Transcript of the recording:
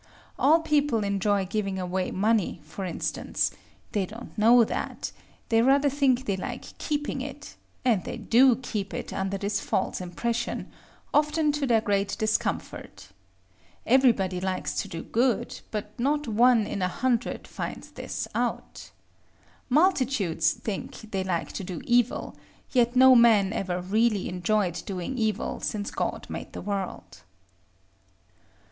All people enjoy giving away money, for instance: they don't know that, they rather think they like keeping it; and they do keep it under this false impression, often to their great discomfort. Every body likes to do good; but not one in a hundred finds this out. Multitudes think they like to do evil; yet no man ever really enjoyed doing evil since God made the world.